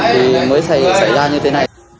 thì mới xảy ra như thế này